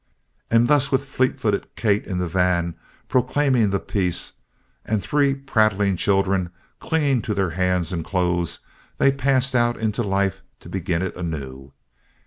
And thus, with fleet footed Kate in the van proclaiming the peace, and three prattling children clinging to their hands and clothes, they passed out into life to begin it anew.